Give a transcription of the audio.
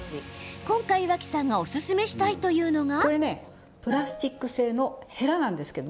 今回、脇さんがおすすめしたいというのが。